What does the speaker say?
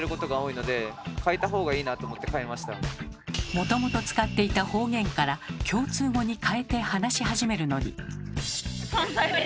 もともと使っていた方言から共通語にかえて話し始めるのに。